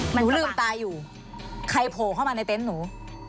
หนูลืมตาอยู่ใครโผล่เข้ามาในเต็นต์หนู